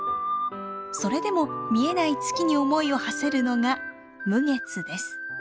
それでも見えない月に思いをはせるのが無月です。